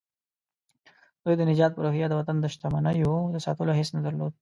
دوی د نجات په روحيه د وطن د شتمنيو د ساتلو حس نه درلود.